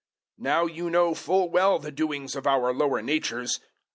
005:019 Now you know full well the doings of our lower natures.